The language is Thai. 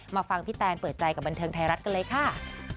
ฟังพี่แตนเปิดใจกับบันเทิงไทยรัฐกันเลยค่ะ